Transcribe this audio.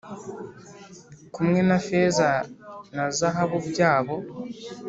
kumwe na feza na zahabu byabo,